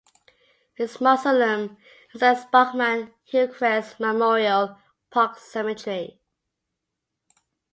His mausoleum is at Sparkman-Hillcrest Memorial Park Cemetery.